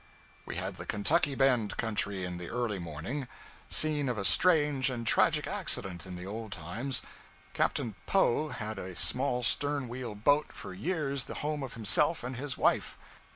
We had the Kentucky Bend country in the early morning scene of a strange and tragic accident in the old times, Captain Poe had a small stern wheel boat, for years the home of himself and his wife.